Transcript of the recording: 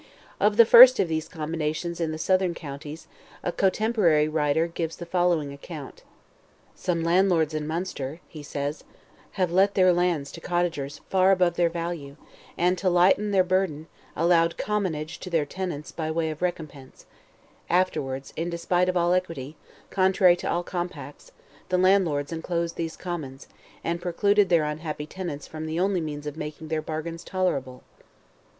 Of the first of these combinations in the southern counties, a cotemporary writer gives the following account: "Some landlords in Munster," he says, "have let their lands to cotters far above their value, and, to lighten their burden, allowed commonange to their tenants by way of recompense: afterwards, in despite of all equity, contrary to all compacts, the landlords enclosed these commons, and precluded their unhappy tenants from the only means of making their bargains tolerable."